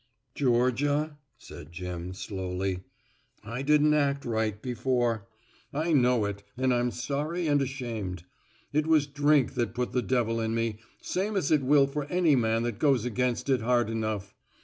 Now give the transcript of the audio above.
"Georgia," said Jim slowly, "I didn't act right before. I know it and I'm sorry and ashamed. It was drink that put the devil in me, same as it will for any man that goes against it hard enough........